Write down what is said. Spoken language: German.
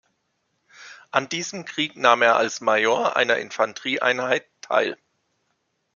An diesem Krieg nahm er als Major einer Infanterieeinheit teil.